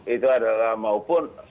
itu adalah maupun